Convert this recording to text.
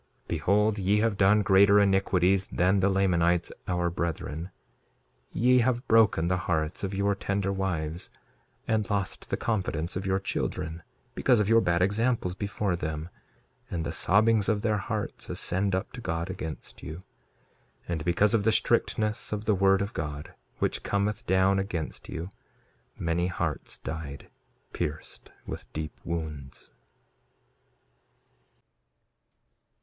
2:35 Behold, ye have done greater iniquities than the Lamanites, our brethren. Ye have broken the hearts of your tender wives, and lost the confidence of your children, because of your bad examples before them; and the sobbings of their hearts ascend up to God against you. And because of the strictness of the word of God, which cometh down against you, many hearts died, pierced with deep wounds.